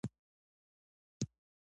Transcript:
پښتانه ټول ترهګر نه دي.